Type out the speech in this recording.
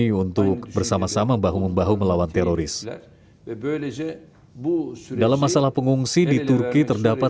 saya juga telah menyampaikan hal ini kepada dewan kemanan pbb kepada nato dan mereka semua membenarkan langkah kami